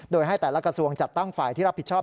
โดยให้แต่ละกระทรวงจัดตั้งฝ่ายที่รับผิดชอบ